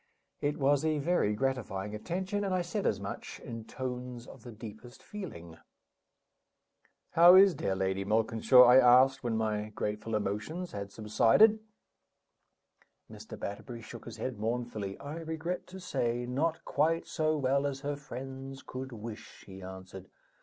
It was a very gratifying attention, and I said as much, in tones of the deepest feeling. "How is dear Lady Malkinshaw?" I asked, when my grateful emotions had subsided. Mr. Batterbury shook his head mournfully. "I regret to say, not quite so well as her friends could wish," he answered.